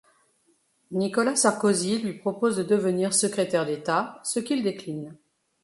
Nicolas Sarkozy lui propose de devenir secrétaire d'État, ce qu'il décline.